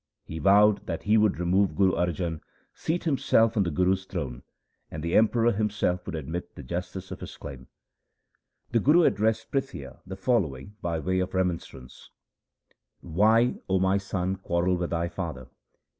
He vowed that he would remove Guru Arjan, seat himself on the Guru's throne, and the Emperor himself would admit the justice of his claim. The Guru addressed Prithia the following by way of remonstrance :— 1 Gujari. LIFE OF GURU RAM DAS 283 Why, O my son, quarrel with thy father